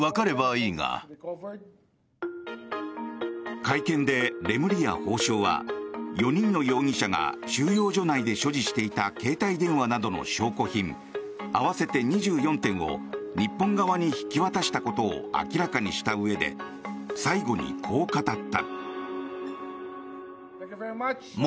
会見でレムリヤ法相は４人の容疑者が収容所内で所持していた携帯電話などの証拠品合わせて２４点を日本側に引き渡したことを明らかにしたうえで最後に、こう語った。